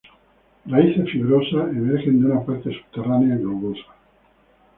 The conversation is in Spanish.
Raíces fibrosas emergen de una parte subterránea globosa.